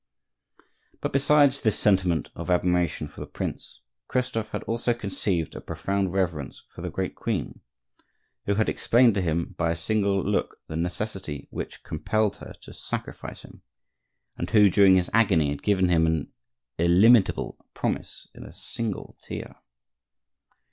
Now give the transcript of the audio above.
But besides this sentiment of admiration for the prince, Christophe had also conceived a profound reverence for the great queen, who had explained to him by a single look the necessity which compelled her to sacrifice him; and who during his agony had given him an illimitable promise in a single tear.